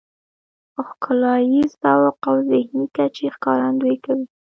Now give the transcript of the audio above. ښکلاييز ذوق او ذهني کچې ښکارندويي کوي .